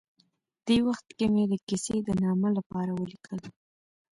دې وخت کې مې د کیسې د نامه لپاره ولیکل.